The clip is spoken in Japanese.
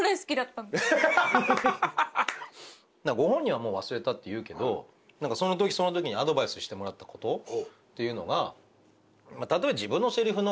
ご本人はもう忘れたって言うけどそのときそのときにアドバイスしてもらったことっていうのがたとえ自分のせりふの。